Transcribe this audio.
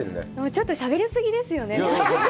ちょっとしゃべり過ぎですよね。